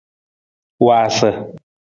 Waasa.